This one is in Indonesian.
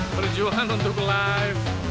berjuang untuk live